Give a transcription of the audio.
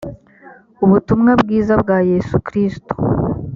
ubutumwa bwiza bwa yesu kristo